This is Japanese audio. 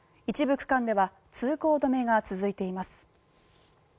一部区間では通行止めが続いています。